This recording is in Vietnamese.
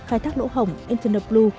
khai thác lỗ hỏng infiniteblue